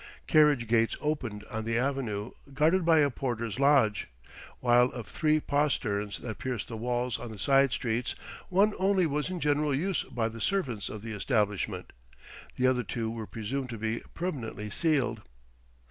Carriage gates opened on the avenue, guarded by a porter's lodge; while of three posterns that pierced the walls on the side streets, one only was in general use by the servants of the establishment; the other two were presumed to be permanently sealed.